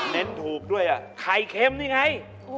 เณ้นถูกด้วยอะไข่เข้มนี่ไง